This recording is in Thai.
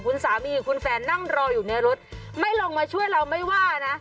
คุณสามีกับคุณแฟนนั่งรออยู่ในรถไม่ลงมาช่วยเราไม่ว่านะ